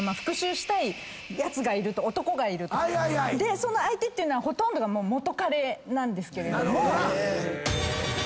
その相手っていうのはほとんどが元カレなんですけど。